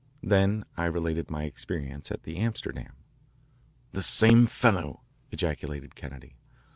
Then I related my experience at the Amsterdam. "The same fellow," ejaculated Kennedy.